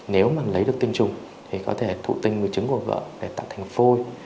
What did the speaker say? nếu mà lấy được tình trùng thì có thể thụ tinh với trứng của vợ để tạo thành phôi